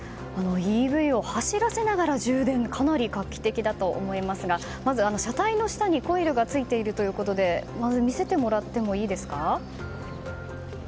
ＥＶを走らせながら充電かなり画期的だと思いますがまず、車体の下にコイルがついているということで見せてもらってもいいですか。